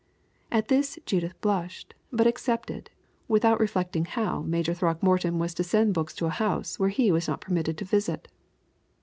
At this Judith blushed, but accepted, without reflecting how Major Throckmorton was to send books to a house where he was not permitted to visit.